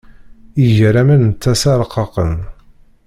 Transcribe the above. Iger aman n tasa aṛqaqen.